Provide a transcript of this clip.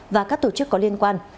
và các tổ chức có liên quan